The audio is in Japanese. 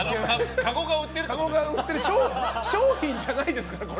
かごが売ってる商品じゃないですから！